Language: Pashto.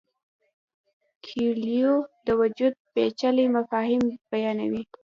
کویلیو د وجود پیچلي مفاهیم بیانوي.